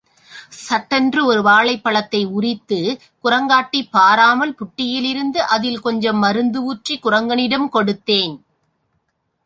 சட்டென்று ஒரு வாழைப்பழத்தை உரித்து, குரங்காட்டிப் பாராமல் புட்டியிலிருந்து அதில் கொஞ்சம் மருந்து ஊற்றி குரங்கனிடம் கொடுத்தேன்.